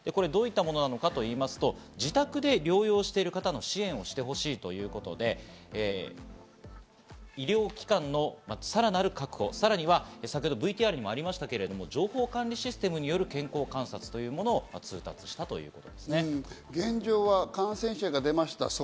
どういったものかといいますと自宅で療養してる方の支援をしてほしいということで医療機関のさらなる確保、さらにはＶＴＲにもありましたけど、情報管理システムによる健康観察というものを通達したということ現状は感染者が出ました。